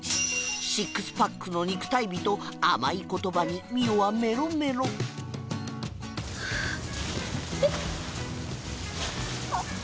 シックスパックの肉体美と甘い言葉に澪はメロメロえっ？あっ。